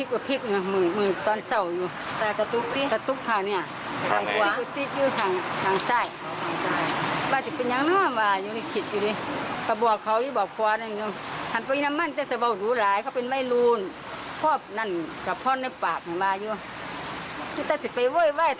วันนี้แม่ของผู้ตายและอดีตแฟนคนตายรวมถึงน้องสาว